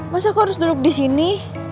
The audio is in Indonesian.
masa aku harus duduk disini